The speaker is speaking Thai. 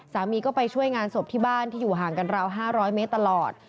สามีก็ไปช่วยงานศพที่บ้านที่อยู่ห่างกันราว๕๐๐เมตรตลอด